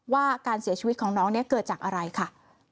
ว่าการเสียชีวิตของน้องเนี่ยเกิดจากอะไรค่ะ